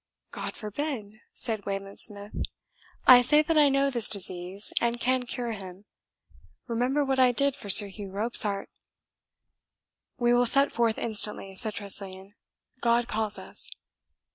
"God forbid!" said Wayland Smith. "I say that I know this disease, and can cure him. Remember what I did for Sir Hugh Robsart." "We will set forth instantly," said Tressilian. "God calls us."